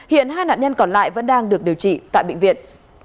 hiện hai nạn nhân còn lại vẫn đang được điều trị tại bệnh viện